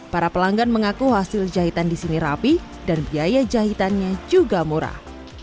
para pelanggan mengaku hasil jahitan di sini rapi dan biaya jahitannya juga murah